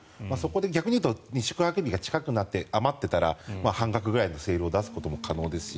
逆に言うと宿泊日が近くなって余っていたら半額くらいのセールを出すことも可能ですし